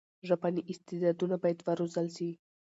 ژبني استعدادونه باید وروزل سي.